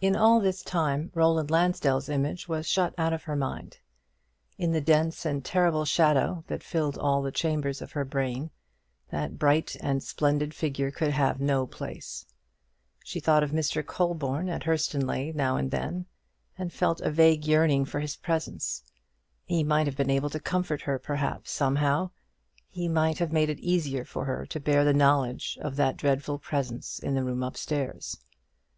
In all this time Roland Lansdell's image was shut out of her mind. In the dense and terrible shadow that filled all the chambers of her brain, that bright and splendid figure could have no place. She thought of Mr. Colborne at Hurstonleigh now and then, and felt a vague yearning for his presence. He might have been able to comfort her perhaps, somehow; he might have made it easier for her to bear the knowledge of that dreadful presence in the room up stairs.